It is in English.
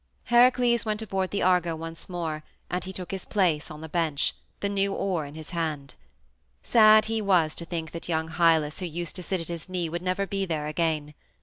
Heracles went aboard the Argo once more, and he took his place on the bench, the new oar in his hand. Sad he was to think that young Hylas who used to sit at his knee would never be there again.